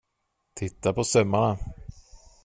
Titta på sömmarna.